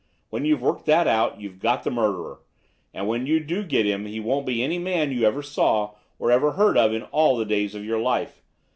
When you've worked that out, you've got the murderer. And when you do get him he won't be any man you ever saw or ever heard of in all the days of your life!